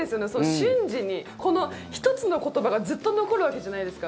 瞬時に、この１つの言葉がずっと残るわけじゃないですか。